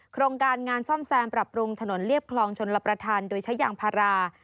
โครงการงานซ่อมแซมปรับปรุงถนนเรียบคลองชนรับประทานโดยใช้ยางพารา